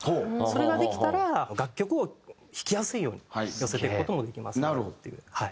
それができたら楽曲を弾きやすいように寄せていく事もできますよって。